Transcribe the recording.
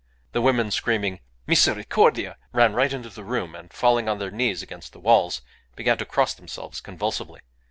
The women, screaming "Misericordia!" ran right into the room, and, falling on their knees against the walls, began to cross themselves convulsively.